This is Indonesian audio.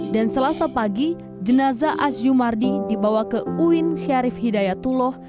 dan selasa pagi jenazah aziumardi dibawa ke uin syarif hidayatullah